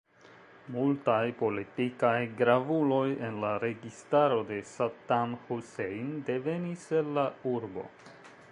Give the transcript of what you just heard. Multaj politikaj gravuloj en la registaro de Saddam Hussein devenis el la urbo.